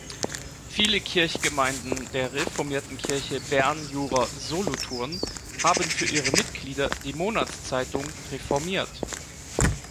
Viele Kirchgemeinden der Reformierten Kirche Bern-Jura-Solothurn haben für ihre Mitglieder die Monatszeitung "reformiert.